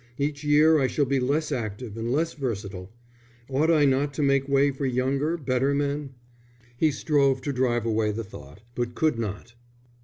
Each year I shall be less active and less versatile. Ought I not to make way for younger, better men?" He strove to drive away the thought, but could not.